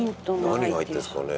何が入ってるんですかね？